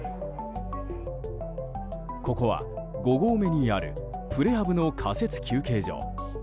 ここは、５合目にあるプレハブの仮設休憩所。